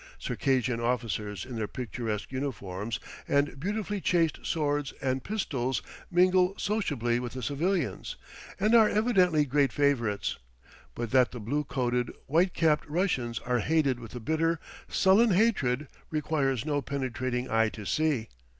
Circassian officers in their picturesque uniforms and beautifully chased swords and pistols mingle sociably with the civilians, and are evidently great favorites; but that the blue coated, white capped Russians are hated with a bitter, sullen hatred requires no penetrating eye to see.